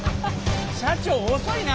社長遅いな。